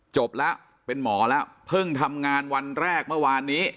จบแล้วเป็นหมอแล้วเพิ่งทำงานวันแรกเมื่อวานนี้